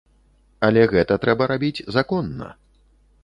Але гэта трэба рабіць законна.